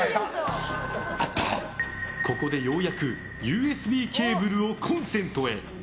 ここで、ようやくＵＳＢケーブルをコンセントへ。